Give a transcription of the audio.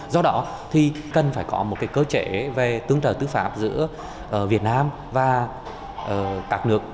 do đó thì cần phải có một cái cơ chế về tương trời tư phạm giữa việt nam và các nước